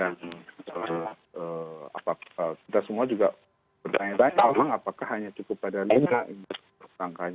dan kita semua juga bertanya tanya apakah hanya cukup pada lima tersangka ini